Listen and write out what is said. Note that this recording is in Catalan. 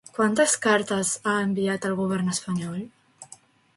Quantes cartes ha enviat el govern espanyol?